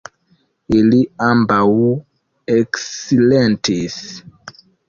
Ili ambaŭ eksilentis.